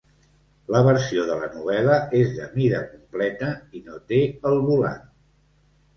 La versió de la novel·la és de mida completa i no té el volant.